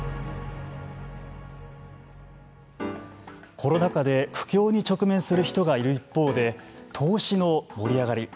コロナ禍で苦境に直面する人がいる一方で投資の盛り上がり。